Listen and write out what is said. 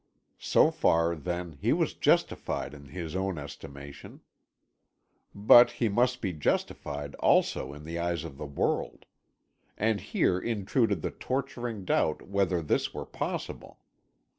So far, then, he was justified in his own estimation. Rut he must be justified also in the eyes of the world. And here intruded the torturing doubt whether this were possible.